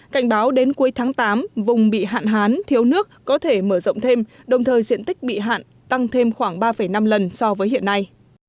cảnh báo đến cuối tháng tám vùng bị hạn hán thiếu nước có thể mở rộng thêm đồng thời diện tích bị hạn tăng thêm khoảng ba năm lần so với hiện nay